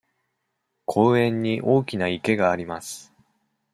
公園に大きな池があります。